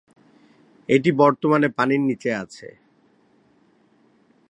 এটি বর্তমানে পানির নিচে আছে।